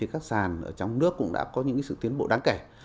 các sàn ở trong nước cũng đã có những sự tiến bộ đáng kể